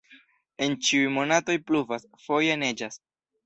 En ĉiuj monatoj pluvas, foje neĝas.